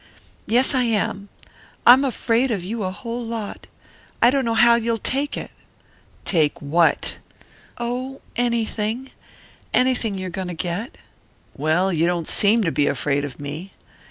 "Yes, I am. I'm afraid of you a whole lot. I don't know how you'll take it." "Take what?" "Oh, anything anything you're going to get." "Well, you don't seem to be afraid of me."